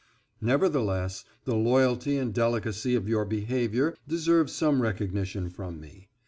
"Nevertheless, the loyalty and delicacy of your behavior deserve some recognition from me.